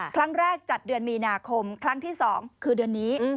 ครั้งแรกจัดเดือนมีนาคมครั้งที่๒คือเดือนนี้